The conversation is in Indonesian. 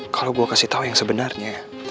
kalau gue kasih tau yang sebenarnya